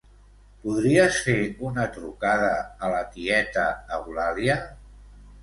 Podries fer una trucada a la tieta Eulàlia?